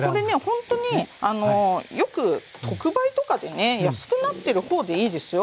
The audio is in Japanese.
ほんとによく特売とかでね安くなってる方でいいですよ。